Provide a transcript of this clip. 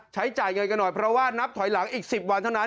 ใช้จ่ายเงินกันหน่อยเพราะว่านับถอยหลังอีก๑๐วันเท่านั้น